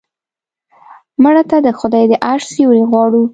مړه ته د خدای د عرش سیوری غواړو